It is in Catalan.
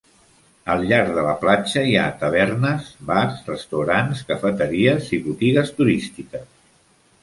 Al llarg de la platja hi ha tavernes, bars, restaurants, cafeteries i botigues turístiques.